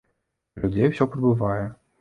А людзей ўсё прыбывае.